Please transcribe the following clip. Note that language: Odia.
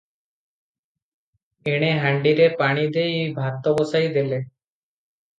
ଏଣେ ହାଣ୍ଡିରେ ପାଣିଦେଇ ଭାତବସାଇ ଦେଲେ ।